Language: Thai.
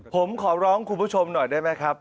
ผมขอร้องคุณผู้ชมหน่อยได้ไหมครับ